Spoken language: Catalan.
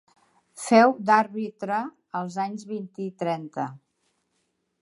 Féu d'àrbitre als anys vint i trenta.